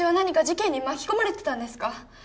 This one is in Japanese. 事件に巻き込まれてたんですか！？